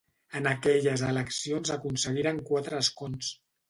En aquelles eleccions aconseguiren quatre escons.